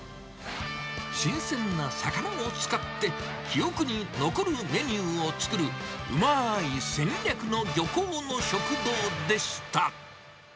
新鮮な魚を使って、記憶に残るメニューを作る、うまい戦略の漁港の食堂でした。